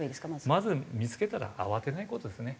まず見付けたら慌てない事ですね。